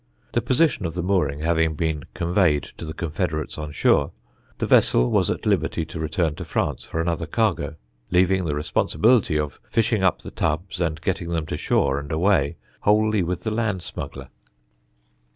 The position of the mooring having been conveyed to the confederates on shore, the vessel was at liberty to return to France for another cargo, leaving the responsibility of fishing up the tubs, and getting them to shore and away, wholly with the land smuggler.